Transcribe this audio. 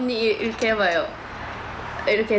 นี่ดู